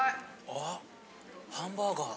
・あハンバーガー